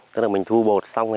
tức là mình thu bột xong